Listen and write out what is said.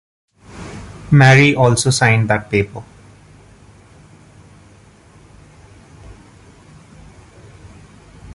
Mary also signed that paper.